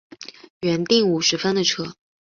原订五十分的车